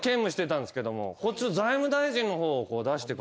財務大臣の方を出して。